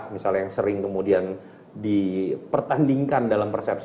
misalnya yang sering kemudian dipertandingkan dalam persepsi